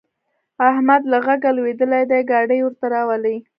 احمد له غږه لوېدلی دی؛ ګاډی ورته راولي.